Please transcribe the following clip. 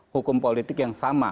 hukum politik yang sama